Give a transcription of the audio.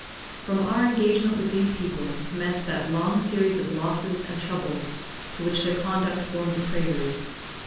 From our engagement with these people commenced that long series of losses and troubles to which their conduct formed the prelude.